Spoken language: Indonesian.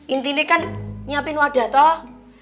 intinya kan nyiapin wadah toh